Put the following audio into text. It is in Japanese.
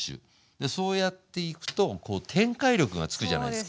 でそうやっていくとこう展開力がつくじゃないですか。